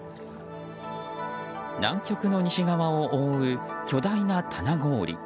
南極の西側を覆う巨大な棚氷。